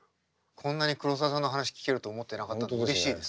こんなに黒澤さんの話聞けると思ってなかったのでうれしいです。